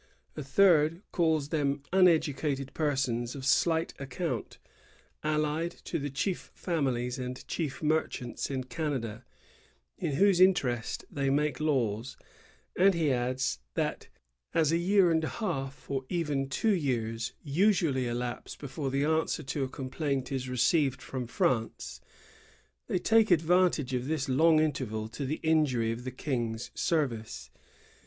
A third calls them uneducated persons of slight account, allied to the chief families and chief merchants in Canada, in whose interest they make laws; and he adds, that, as a year and a half or even two years usually elapse before the answer to a complaint is ^ Mevles au Miniitre, 12 Nov., 1684. 1663 1763.] THE DTTEXDAXT. 78 received from Fiance, they take advantage of this long interval to the injniy of the King's service.